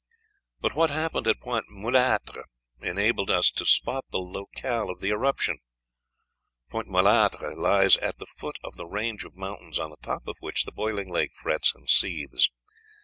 "But what happened at Pointe Mulâtre enables us to spot the locale of the eruption. Pointe Mulâtre lies at the foot of the range of mountains on the top of which the Boiling Lake frets and seethes.